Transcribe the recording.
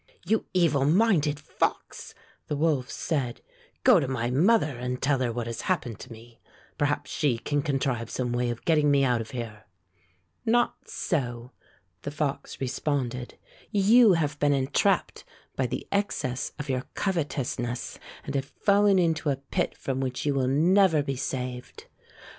"You evil minded fox!" the wolf said; "go to my mother and tell her what has hap pened to me. Perhaps she can contrive some way of getting me out of here." "Not so," the fox responded. "You have been entrapped by the excess of your covet ousness and have fallen into a pit from which you will never be saved."